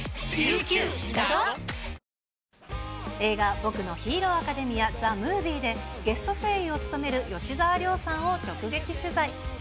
僕のヒーローアカデミアザムービーで、ゲスト声優を務める吉沢亮さんを直撃取材。